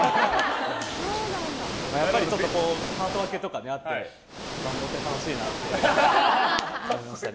やっぱりパート分けとかあってバンドって楽しいなって思いましたね。